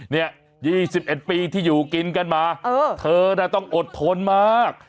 ๒๑ปีที่อยู่กินกันมาเธอน่ะต้องอดทนมาก